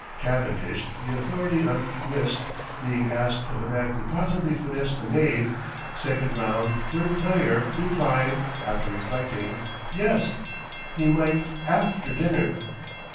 Cavendish, the authority on whist, being asked if a man could possibly finesse a knave, second round, third player, replied, after reflecting, "Yes, he might after dinner."